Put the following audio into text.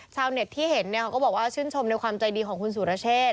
ชาวเน็ตที่เห็นเนี่ยเขาก็บอกว่าชื่นชมในความใจดีของคุณสุรเชษ